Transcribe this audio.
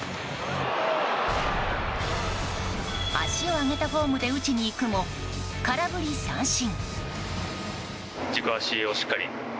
足を上げたフォームで打ちにいくも空振り三振。